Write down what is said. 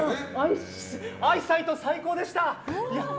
アイサイト最高でした！